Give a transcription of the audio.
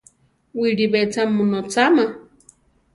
Wiʼlibé cha mu nocháma?